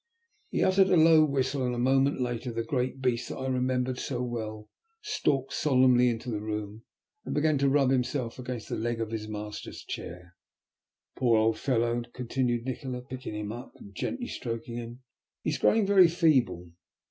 He uttered a low whistle, and a moment later the great beast that I remembered so well stalked solemnly into the room, and began to rub himself against the leg of his master's chair. "Poor old fellow," continued Nikola, picking him up and gently stroking him, "he is growing very feeble.